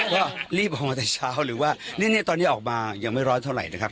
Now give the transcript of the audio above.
ก็รีบออกมาแต่เช้าหรือว่าตอนนี้ออกมายังไม่ร้อนเท่าไหร่นะครับ